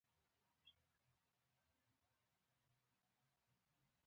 ایا زه باید د شپې ډوډۍ وخورم؟